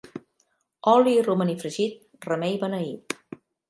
Oli i romaní fregit, remei beneït.